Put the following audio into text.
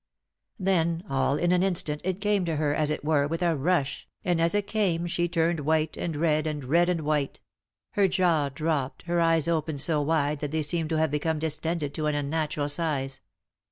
Then, all in an instant, it came to her, as it 76 3i 9 iii^d by Google THE INTERRUPTED KISS were, with a rush, and as it came she turned white and red, and red and white ; her jaw dropped, her eyes opened so wide that they seemed to have become distended to an unnatural size.